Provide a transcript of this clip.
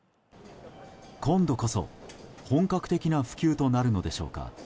今度こそ本格的な普及となるのでしょうか。